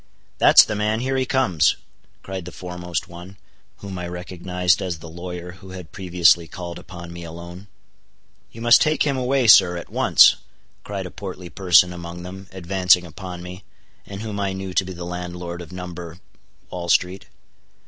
"That's the man—here he comes," cried the foremost one, whom I recognized as the lawyer who had previously called upon me alone. "You must take him away, sir, at once," cried a portly person among them, advancing upon me, and whom I knew to be the landlord of No.—Wall street.